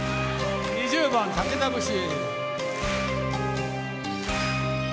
２０番「武田節」。